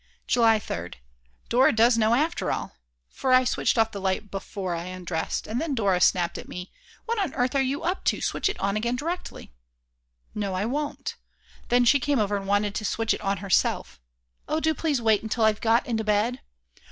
July 3rd. Dora does know after all. For I switched off the light before I undressed, and then Dora snapped at me: "What on earth are you up to, switch it on again directly." "No I won't." Then she came over and wanted to switch it on herself; "Oh do please wait until I've got into bed."